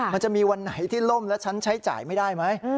มันจะมีวันไหนที่ล่มแล้วฉันใช้จ่ายไม่ได้ไหม